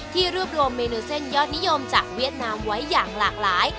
รวบรวมเมนูเส้นยอดนิยมจากเวียดนามไว้อย่างหลากหลาย